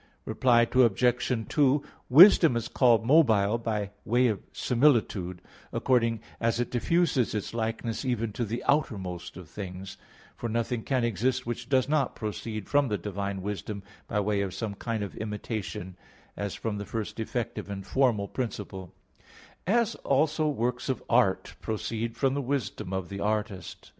Reply Obj. 2: Wisdom is called mobile by way of similitude, according as it diffuses its likeness even to the outermost of things; for nothing can exist which does not proceed from the divine wisdom by way of some kind of imitation, as from the first effective and formal principle; as also works of art proceed from the wisdom of the artist.